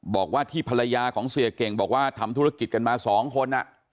บอกว่าที่ภรรยาของเสียเก่งบอกว่าทำธุรกิจกันมา๒คน